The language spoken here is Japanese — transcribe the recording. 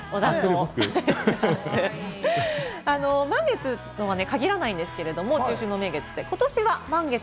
満月とは限らないんですけれども、中秋の名月って。